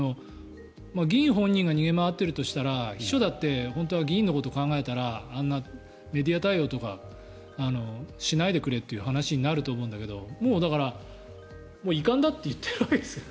議員本人が逃げ回っているとしたら秘書だって本当は議員のことを考えたらあんなメディア対応とかしないでくれという話になると思うんだけどもうだから遺憾だって言っているわけですよ。